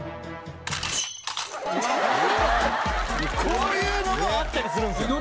こういうのもあったりするんですよ。